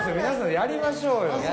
皆さんやりましょうよ。